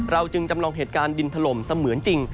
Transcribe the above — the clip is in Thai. จึงจำลองเหตุการณ์ดินถล่มเสมือนจริง